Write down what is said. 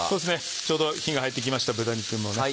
ちょうど火が入ってきました豚肉も。